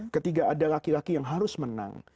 ketika ada laki laki yang harus menang